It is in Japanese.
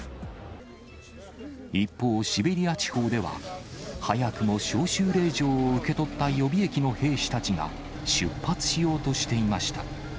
一方、シベリア地方では早くも召集令状を受け取った予備役の兵士たちが、出発しようとしていました。